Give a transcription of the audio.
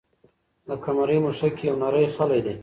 د قمرۍ مښوکه کې یو نری خلی دی.